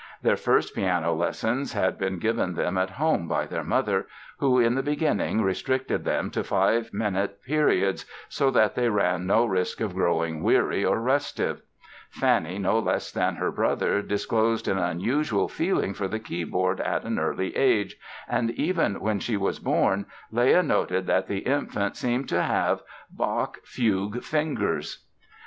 Their first piano lessons had been given them at home by their mother who, in the beginning restricted them to five minute periods so that they ran no risk of growing weary or restive. Fanny no less than her brother disclosed an unusual feeling for the keyboard at an early age and even when she was born Leah noted that the infant seemed to have "Bach fugue fingers".